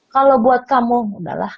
kalo buat kamu udahlah